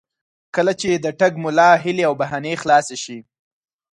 کله چې د ټګ ملا هیلې او بهانې خلاصې شي.